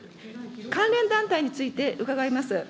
関連団体について伺います。